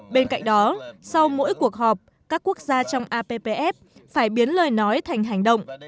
bên cạnh đó sau mỗi cuộc họp các quốc gia trong appf phải biến lời nói thành hành động